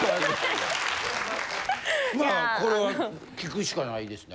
これは聞くしかないですね。